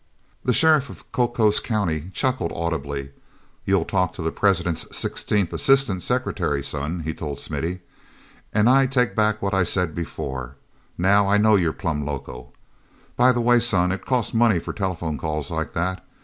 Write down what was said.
The sheriff of Cocos County chuckled audibly. "You'll talk to the president's sixteenth assistant secretary, son," he told Smithy. "And I take back what I said before—now I know you're plumb loco. By the way, son, it costs money for telephone calls like that.